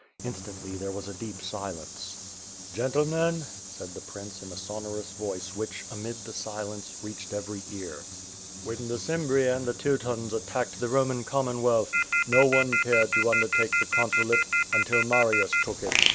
Instantly there was a deep silence: "Gentlemen," said the prince in a sonorous voice which, amid the silence, reached every ear, "when the Cimbri and the Teutons attacked the Roman Commonwealth, no one cared to undertake the consulate, until Marius took it.